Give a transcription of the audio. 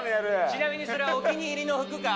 ちなみにそれはお気に入りの服か？